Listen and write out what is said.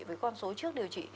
với con số trước điều trị